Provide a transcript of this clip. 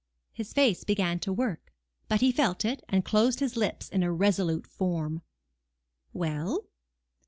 His face began to work; but he felt it, and closed his lips into a resolute form. "Well?"